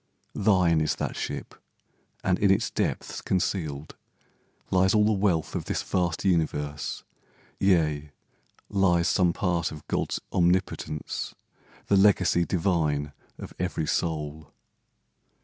Thine is that ship; and in its depths concealed Lies all the wealth of this vast universe— Yea, lies some part of God's omnipotence, The legacy divine of every soul.